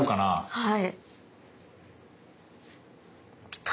はい。